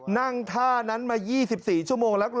นั่งท่านั้นมา๒๔ชั่วโมงแล้ว